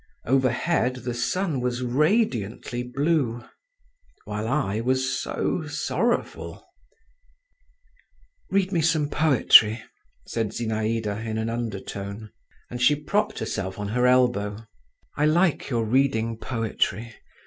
Overhead the sun was radiantly blue—while I was so sorrowful…. "Read me some poetry," said Zinaïda in an undertone, and she propped herself on her elbow; "I like your reading poetry.